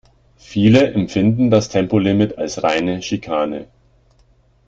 Viele empfinden das Tempolimit als reine Schikane.